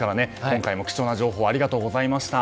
今回も貴重な情報ありがとうございました。